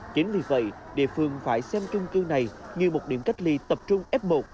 chính vì vậy địa phương phải xem trung cư này như một điểm cách ly tập trung f một